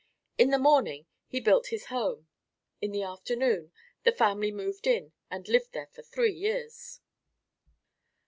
In the morning he built his home. In the afternoon the family moved in and lived there for three years.